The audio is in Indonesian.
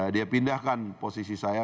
dia pindahkan posisi saya